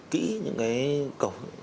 kỹ những cái cổng